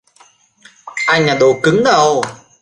anh là đồ cứng đầu